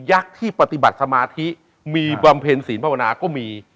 ักษ์ที่ปฏิบัติสมาธิมีบำเพ็ญศีลภาวนาก็มี